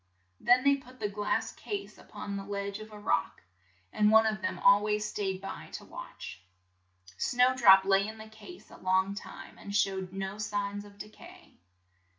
Then they put the glass case up on the ledge of a rock, and one of them al ways stayed by it to watch. Snow drop lay in the case a long time and showed no signs of de cay.